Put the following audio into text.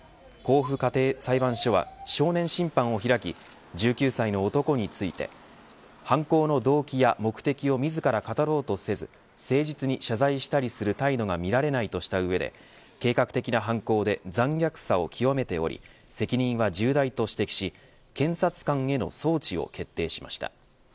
甲府家庭裁判所は少年審判を開き１９歳の男について犯行の動機や目的を自ら語ろうとせず誠実に謝罪したりする態度が見られないとした上で計画的な犯行で残虐さを極めており責任は重大と指摘し検察官への送致を決定しました。